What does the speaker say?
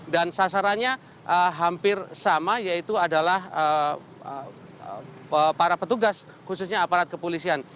dan sasarannya hampir sama yaitu adalah para petugas khususnya aparat kepolisian